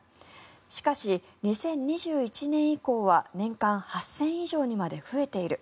しかし、２０２１年以降は年間８０００以上にまで増えている。